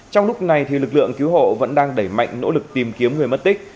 trong lúc này lực lượng cứu hộ vẫn đang đẩy mạnh nỗ lực tìm kiếm người mất tích